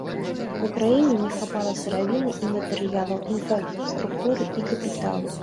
У краіне не хапала сыравіны і матэрыялаў, інфраструктуры і капіталу.